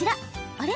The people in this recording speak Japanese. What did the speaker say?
あれ？